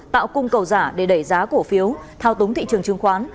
tạo cung cầu giả để đẩy giá cổ phiếu thao túng thị trường chứng khoán